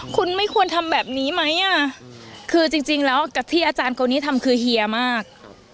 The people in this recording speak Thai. คุณไม่ควรทำแบบนี้ไหมอ่ะคือจริงแล้วกับที่อาจารย์คนนี้ทำคือเฮียมาก